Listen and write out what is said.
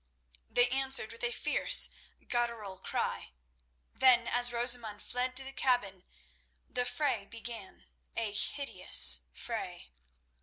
They answered with a fierce, guttural cry. Then, as Rosamund fled to the cabin, the fray began, a hideous fray.